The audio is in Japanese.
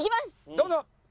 どうぞ！